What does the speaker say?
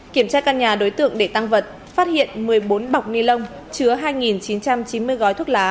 kiểm tra căn nhà đối tượng để tăng vật phát hiện một mươi bốn bọc ni lông chứa hai chín trăm chín mươi gói thuốc lá